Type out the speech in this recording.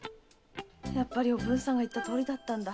やっぱりおぶんさんが言ったとおりだったんだ。